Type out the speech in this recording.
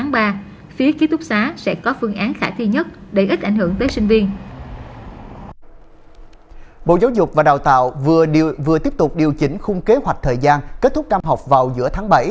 bộ giáo dục và đào tạo vừa tiếp tục điều chỉnh khung kế hoạch thời gian kết thúc năm học vào giữa tháng bảy